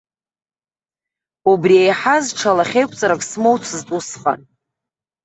Убри еиҳаз ҽа лахьеиқәҵарак смоуцызт усҟан.